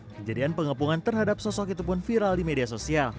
kejadian pengepungan terhadap sosok itu pun viral di media sosial